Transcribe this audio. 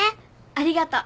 ありがとう。